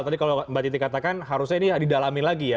tadi kalau mbak titi katakan harusnya ini didalami lagi ya